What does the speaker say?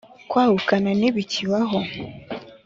kwahukana ni bikibaho